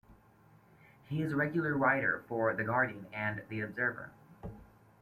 He is a regular writer for "The Guardian" and "The Observer".